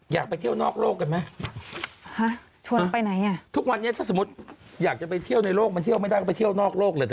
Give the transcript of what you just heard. อยากไปเที่ยวนอกโลกกันไหมฮะชวนไปไหนอ่ะทุกวันนี้ถ้าสมมุติอยากจะไปเที่ยวในโลกมันเที่ยวไม่ได้ก็ไปเที่ยวนอกโลกเลยนะ